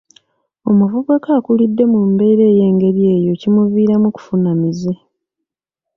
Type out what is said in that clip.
Omuvubuka akulidde mu mbeera ey'engeri eyo kimuviiramu kufuna mize.